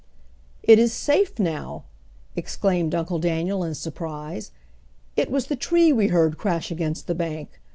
"It is safe now!" exclaimed Uncle Daniel in surprise. "It was the tree we heard crash against the bank.